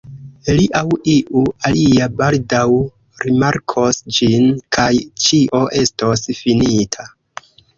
Li aŭ iu alia baldaŭ rimarkos ĝin, kaj ĉio estos finita.